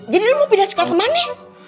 jadi lo mau pindah sekolah ke mana